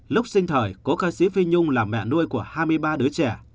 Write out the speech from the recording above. lúc sinh thời có ca sĩ phi nhung là mẹ nuôi của hai mươi ba đứa trẻ